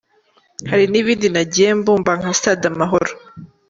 Hari n’ibindi nagiye mbumba nka Stade Amahoro.